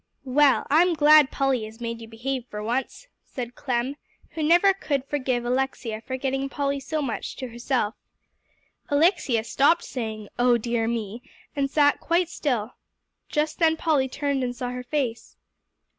"Well, I'm glad Polly has made you behave for once," said Clem, who never could forgive Alexia for getting Polly so much to herself. Alexia stopped saying, "Oh dear me!" and sat quite still. Just then Polly turned and saw her face.